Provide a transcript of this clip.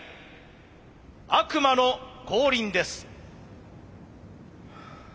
悪魔の降臨です。